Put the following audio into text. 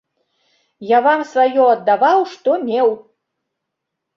Я вам сваё аддаваў, што меў!